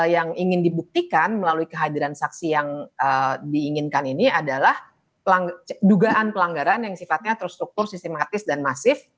yang ingin dibuktikan melalui kehadiran saksi yang diinginkan ini adalah dugaan pelanggaran yang sifatnya terstruktur sistematis dan masif